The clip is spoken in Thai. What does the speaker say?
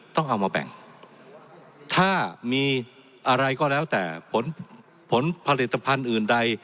ต้องเอามาแบ่งถ้ามีอะไรก็แล้วแต่ผลผลผลิตภัณฑ์อื่นใด